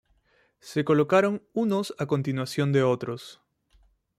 Se colocaron unos a continuación de los otros.